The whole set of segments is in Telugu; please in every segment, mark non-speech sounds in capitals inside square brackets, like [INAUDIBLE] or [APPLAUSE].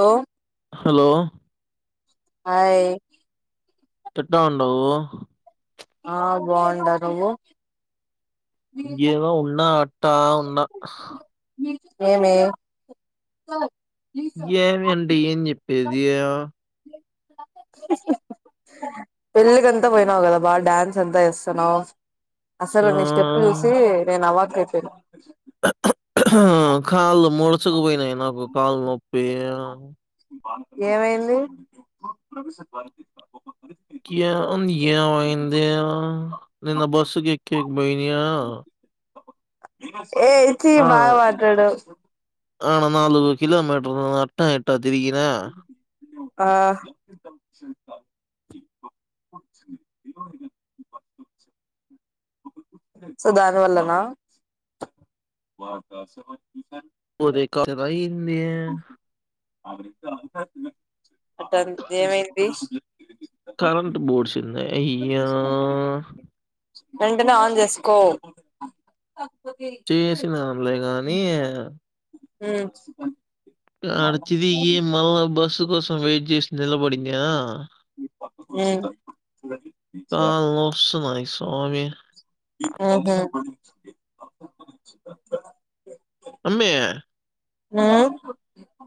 ఓ హలో హాయ్ ఎట్టా ఉండావు ఆ బాగుండా నువ్వు ఏదో ఉన్నా అట్టా ఉన్నా ఏమి ఏమి అంటే ఏం చెప్పేది గా పెళ్ళికంతా పోయినావు గదా బా డ్యాన్స్ అంతా చేస్తున్నావు. అసలు నీ స్టెప్ చూసీ నేను అవవాక్ అయిపోనా అ కాళ్ళు ముడుచుకుపొయినాయి నాకు కాళ్లు నొప్పి యా ఏమైంది. కీయాంది ఏమైంది యా నిన్న బస్ కి ఎక్కేకి బొయినియా. ఏ ఛీ బాగ పడ్డడూ. ఆనా నాలుగు కిలోమీటర్లు అట్టా ఎట్టా ఆహ్ సో దాని వల్ల నా వా సూ సార్ రీకవరి ఏదో అయ్యిందీ అట్టాగ్ ఏమైంది కరెంట్ బోర్డ్స్ ఉన్నయ్ అయ్యా వెంటనే ఆన్ చేసుకో. [UNINTELLIGIBLE] లేగానీ యా ఊ ఆడ తిరిగీ మళ్ళా బస్సు కోసం వెయిట్ చేసి నిలబడిందిఆ మ్మ్ కాళ్ళు నొస్తున్నాయి స్వామి. ఊహు అమ్మే హ్మూ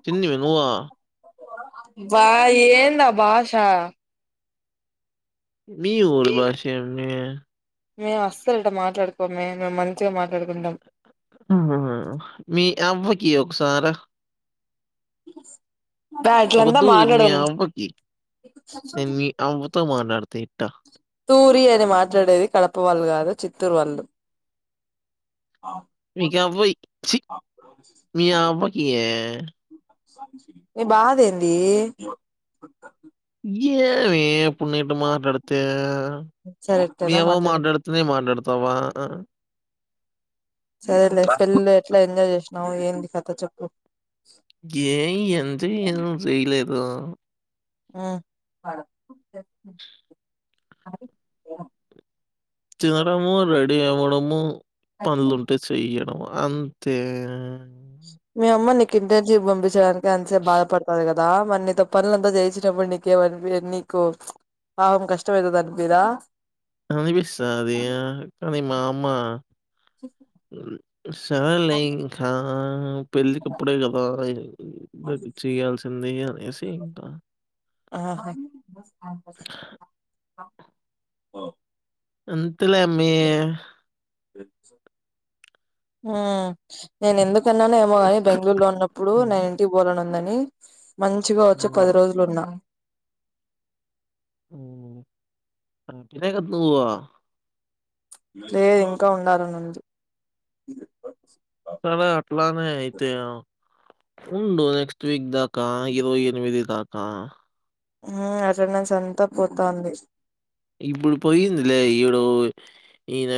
తిన్నివ నువ్వూ అబ్బా ఏందా బాషా మీ ఊరి బాషే అమ్మే మేము అసల్ ఇట్ట మాట్లాడుకోమే మేమ్ మంచిగ మాట్లాడుకుంటాం. మీ అవ్వకి ఒకసారె ఒక అట్లంతా తూరి మీ మాట్లాడదాం అవ్వకి నేను మీ అవ్వతో మాట్లాడుతి తూరి అని మాట్లాడేది కడప వాళ్ళు గాదు చిత్తూరు వాళ్ళు. మీక్ అవ్వయ్ ఛీ. మీ అవ్వకియ్యే. నీ బాధ ఏందీ ఇయ్యవ ఏమీ ఇప్పుడు నే ఇట్ట మాట్లాడితే సరే మీ ఎట్టైనా అవ్వ మాట్లాడు మాట్లాడుతెనే మాట్లాడతా అవ్వా సరేలే పెళ్ళి లో ఎట్లా ఎంజాయ్ చేశినవో ఏంది కథ చెప్పు. గేయ్ ఎంజాయ్ ఏం చెయ్యలేదూ ఆ తినడము రెడీ అవ్వడము పనులుంటే చెయడము. అంతే మీ అమ్మ నీక్ ఇంట్లోంచి పంపిచ్చడానికి ఎంతసేప్ బాధపడతాది గద్ దా మరి నీతో పనులు అంతా చేయిచ్చేటప్పుడు నీకేవ అనిపియ్యద్ నీకు ప్చ్ పాపం కష్టం అయతది అనిపియదా అనిపిస్తాది యా కానీ మా అమ్మా. సరేలే ఇంకా పెళ్ళకిప్పుడే గదా ఉమ్ చేయాల్సింది అనేసి ఇంకా ఆహ అంతెలే అమ్మీ ఊ నేను ఎందు కన్నానే ఏమో కానీ బెంగళూర్లో ఉన్నప్పుడు హ్మ్, నేన్ ఇంటికి బోలన్ ఉందని మంచిగా వచ్చి హ్మ్, పది రోజులు ఉన్నా ఉమ్ [INAUDIBLE] లేదు ఇంకా ఉండాలనుంది సరే అట్లానే అయితే ఉండు నెక్స్ట్ వీక్ దా కా ఇరవై ఎనిమిది దాకా ఊ అటెండెన్స్ అంతా పోతాంది ఇప్పుడు పోయ్యిందిలే ఈడు ఈయన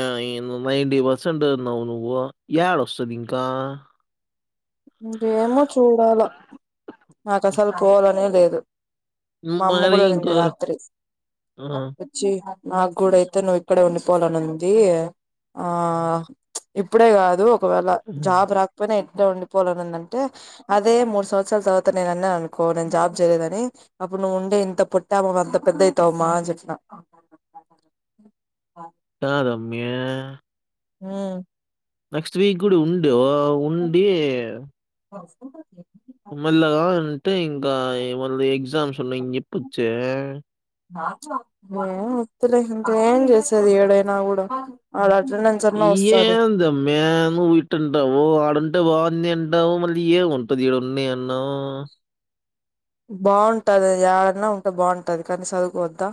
నైన్టీ పర్సెంటు అన్నావ్ నువ్వు పు యాడ వస్తాది ఇంకా? ఇంకేమో చూడాల నాకు అసలు పోవాలనే లేదు మా అమ్మ మరి కూడా కూడా ఇంకో అనింది రాత్రి ఆ! వచ్చి నాకు క్కూడా అయితే నువ్ ఇక్కడే ఉండిపోవాలని ఉంది ఆ ప్చ్ ఇప్పుడే కాదు ఒక వేళ జాబ్ రాకపోయినా ఇక్కడే ఉండి పోవాలని ఉందంటే అదే మూడు సంవత్సరాల తర్వాత నేను అన్నాను అనుకో నేను జాబ్ చేయ్లేదు అని అప్పుడు నువ్వు అంటే ఇంత పుట్టామ అంత పెద్ద అయితా మా అని చెప్పా కాదు అమ్మీ ఉమ్ నెక్స్ట్ వీక్ కూడా ఉండు ఉండి మళ్ళాగా అంటే ఇంకా మళ్లీ ఎగ్జామ్స్ ఉన్నాయ్ అని చెప్పొచ్చే ఏం వత్తులే ఇంకా ఏం చేసేది ఈడైనా కూడా ఆడ అటెండెన్స్ అన్నా వస్తది ఏందమ్మీ నువ్ ఇట్టంటావు ఆడుంటే బాగుంది అంటావు మళ్ళీ ఏం ఉంటది ఈడున్నీ అన్నావు బాగుంటది ఎడన్నా ఉంటే బాగుంటది కానీ చదువుకోవద్దా?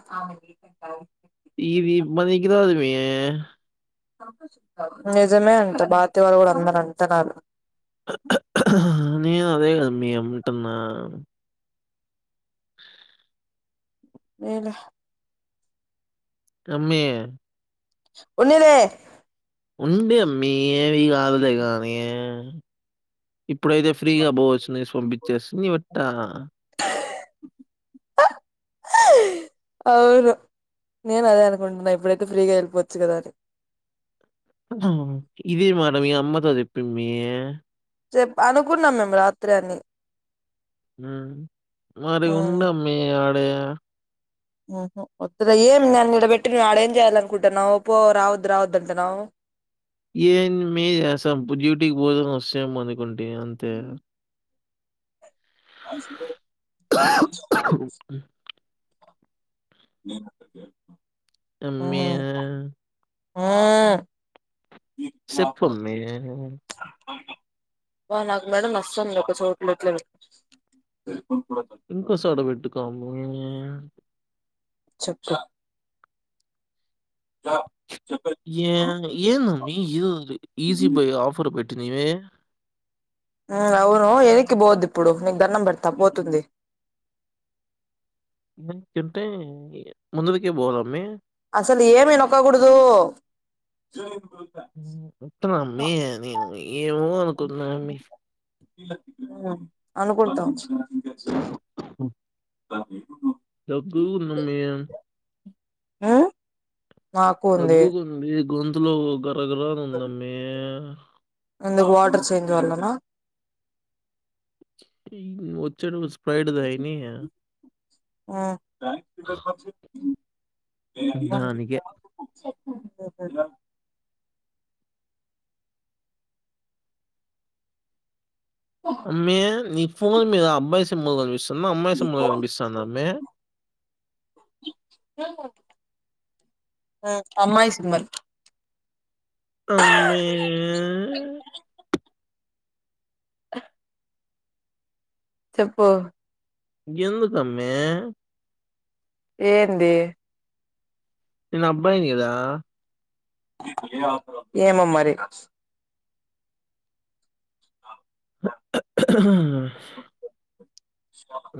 ఇది బనికి రాదు మె నిజమే అంటే భార్తీ వాళ్ళు కూడా అందరు అంటన్నారు నేను అదే కదా మీ అముటున్నా లేలే అమ్మీ ఉన్నీలే ఉండి అమ్మీ ఏవి కాదులే కానీ ఇప్పుడైతే ఫ్రీగా పోవచ్చు నేసి పంపిచ్చేసి నీ వెట్ట అవును నేను అదే అనుకుంటున్నా ఇప్పుడైతే ఫ్రీగా వెళ్ళిపోవచ్చు కదా అని ఇదీ మాట మీ అమ్మతో చెప్పుమ్మీ సెప్ అనుకున్నాం మేము రాత్రి అని ఉమ్ మరి హ్మ్ ఉండమ్మీ ఆడే ఊహు వద్దులే ఏం నన్ను ఈడ పెట్టి నువ్ ఆడేం చేయాలి అనుకుంటున్నావ్ పో రావద్దు రావద్దు అంటున్నావ్ ఏం మ్మీ చేస్సాం డ్యూటీకి పోయ్ వస్సాము అనుకుంటి అంతే అ స ప్ర [UNINTELLIGIBLE] ఆ చెప్పు అమ్మి నాకు నడుం నొస్తుంది ఒక చోటు ఉప్పు సోడ పెట్టుకో అమ్ము చెప్పు ఏ ఏమ్ అమ్మి ఇ ఈజీ బై ఆఫర్ పెట్టి నవే అవును ఎదిక్కి పోద్దు ఇప్పుడు నీకు దండం పెడతా పోతుంది న చంటే ముందులాకీ పోవాలి అమ్మి అసలు ఏమి నొక్కకూడదు వస్తున్నాను అమ్మి నేను ఏమో అనుకున్నాను అమ్మి అనుకుంటావ్ దగ్గుకుందమ్మీ ఆ గ్గుకుంది గొంతులో గరగ్రాని ఉందమీ ఎందుకు వాటర్ చేంజ్ వళనా వచ్చ స్పైడ్దయిని హ్మ్ దానికే ఫైద మే నీ ఫోన్ మీరు అబ్బాయి సింబల్ కనిపిస్త సన్న అమ్మాయి సింబల్ కనిపిస్తందా అమ్మి అమ్మాయి సింబల్ అమ్మి ప్పు ఎందుకు అమ్మి ఏంది నేను అబ్బాయిని కదా ఏమో మరి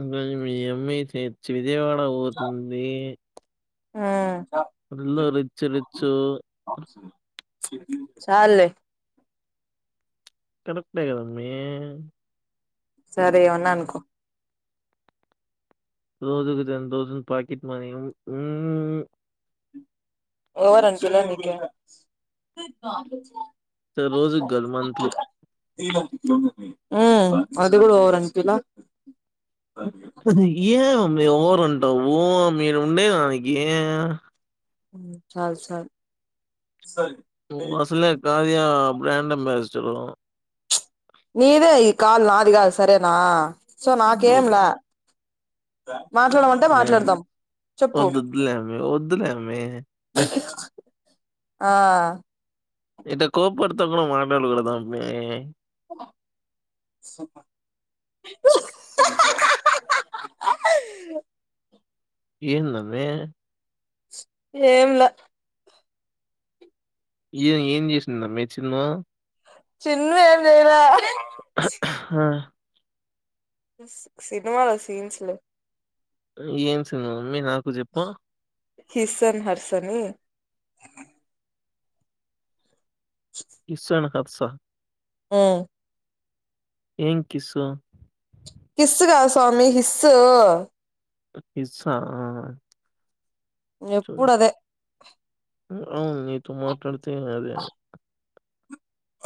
ఈరోజు మీ అమ్మి చేర్చి విజయవాడ పోతుంది ఆ ఎలా రిచ్చి రిచ్చు చాలే కనుకులే కదమ్మీ సరే ఉన్నా అనుకో రోజుకు తేన్ రోజన్ పాకెట్ మనీ మ్మ్ ఎవరు అనిపియాల నికి సరే రోజుకి కాదు మంత్లీ మ్మ్ అది కూడా ఓవర్ అనిపిలా ఏ అమ్మి ఓవర్ అంటవు మీ ఉండేదకి చాలు చాలు నువ్వు అసలే కార్య బ్రాండ్ అంబాసిడర్ నీదే ఈ కాల్ నాది కాదు సరేనా సో నాకేం ఓకే. లా స మాట్లాడమంటే హ్మ్. మాట్లాడుతాం చెప్పు వద్దొద్దులే అమ్మీ. వద్దులే అమ్మీ. ఆ ఇంత కోప్పడుతున్నావ్ మాట్లాడకూడదు అమ్మే ఆహా ఏంది అమ్మే ఏంలే ఏ ఏంది చేసింద అమ్మే చిన్ను చిన్ను ఏమి చెయ్యలా ఆహా ఆహా సినిమాలో సీన్స్ లే ఏన్ ఏం సినిమాలు అమ్మే నా హిస్ అండ్ హార్ట్స్ అని కిస్ అండ్ హార్ట్స్ ఆ ఆ ఏం కిస్ ఉ కిస్ కాదు స్వామి హిస్ ఉ హిస్ ఆ ఎప్పుడు అదే ఉ అవును నీతో మాట్లాడతే అదే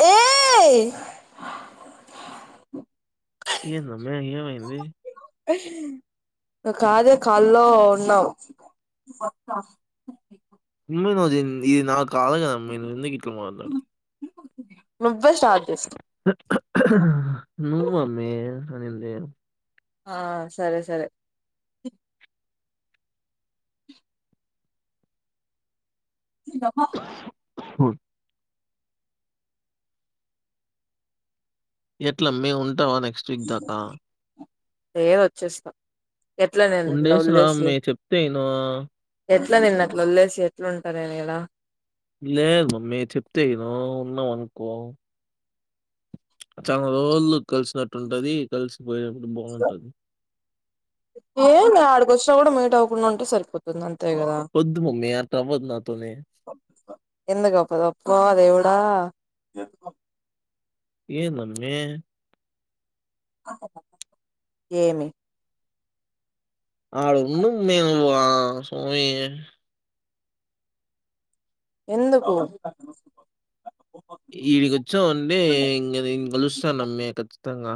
ఏఈఈ ఏంది అమ్మే ఏమి అయింది హా కాదు కాల్లో ఉన్నావ్ ఇను జెన్ ఇది నాకు కాలగమ్మ నేను ఎందుకు ఇట్ల మాట్లాడత మ నువ్వు అమ్మి అన్నింది ఆ సరే సరే హ ఎట్ల అమ్మి ఉంటావా నెక్స్ట్ వీక్ దాకా ఏ వచ్చేస్తా ఎట్లా నేను లావ్ ఉండేసి రా వదిలేసి అమ్మే చెప్తే ఇను ఎట్లా నిన్న అట్లా వదిలేసి ఎట్లు ఉంటా నేను ఇడ లేదు మమ్మీ చెప్తే ఇను ఉన్నాం అనుకో చాలా రోజులు కలిసినట్టుంటది కలిసి ఏంది అడికి వచ్చినా కూడా మీట్ అవ్వకుండా ఉంటే సరిపోతుంది ఆన్ వద్దు మమ్మీ అట్లా అవ్వదు అట్లని ఎందుకు కప్ప అప్ప దేవుడా ఏంది అమ్మి ఏమి ఆడు ఉండు అమ్మి నువ్వు స్వామి ఎందుకు ఈడికి వచ్చావంటే ఇన్ ఇంకా కలుస్తానమ్మే ఖచ్చితంగా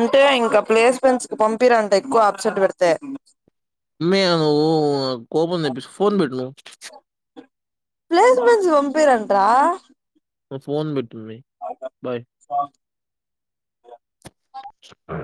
ఉంటే ఇంకా ప్లేస్మెంట్స్ కు పంపిరంట ఎక్కువ అప్సెట్ పెడితే అమ్మిగా నువ్వు కోపం తెప్పించక్ ఫోన్ పెట్టు నువ్ ప్లేస్మెంట్స్ కు పంపియారాంట్రా నువ్ ఫోన్ పెట్టమ్మి బాయ్ ఆ